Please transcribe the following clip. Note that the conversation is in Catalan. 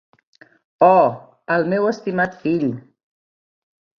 Oh, el meu estimat fill!